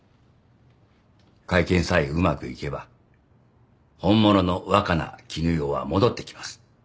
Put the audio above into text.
会見さえうまくいけば本物の若菜絹代は戻ってきます。